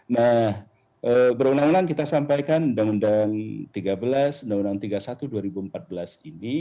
nah berulang ulang kita sampaikan undang undang tiga belas tahun dua ribu tiga belas dua ribu empat belas ini